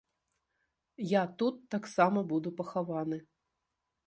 Я тут таксама буду пахаваны.